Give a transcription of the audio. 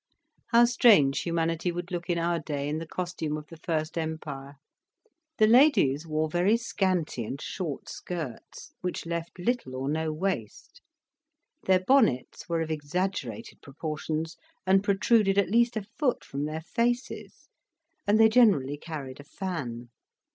How strange humanity would look in our day in the costume of the first empire. The ladies wore very scanty and short skirts, which left little or no waist; their bonnets were of exaggerated proportions, and protruded at least a foot from their faces, and they generally carried a fan.